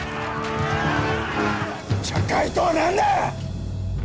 茶会とは何だ！